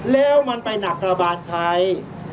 แล้วมันไปหนักระบานใคร